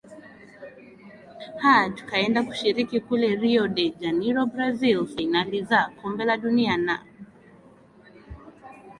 aa tukaenda kushiriki kule rio de janiro brazil fainali za kombe la dunia na